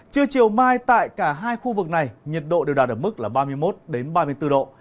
chưa chiều mai tại cả hai khu vực này nhiệt độ đều đạt được mức ba mươi một ba mươi bốn độ